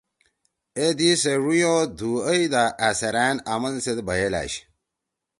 اے دی سے ڙُوئں او دُھو ائی دا أ سیرأن آمنسیت بھئیل أشی۔